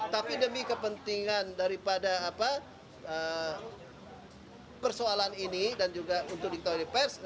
tapi demi kepentingan daripada persoalan ini dan juga untuk diketahui pers